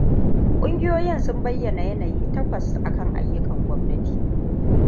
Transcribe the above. Kungiyoyin sun bayana yanayi takwas a kan ayyukan gwamnati: